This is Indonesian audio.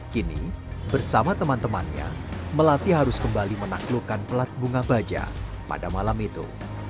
kini bersama teman temannya melati harus kembali menaklukkan pelat bunga baja pada malam itu